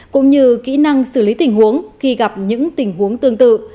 cũng như kỹ năng xử lý tình huống khi gặp những tình huống tương tự